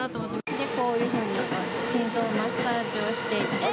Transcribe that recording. で、こういうふうに心臓マッサージをしていて。